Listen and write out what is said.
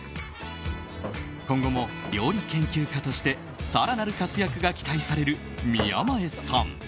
今後も料理研究家として更なる活躍が期待される宮前さん。